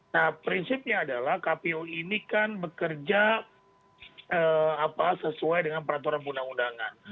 nah prinsipnya adalah kpu ini kan bekerja sesuai dengan peraturan undang undangan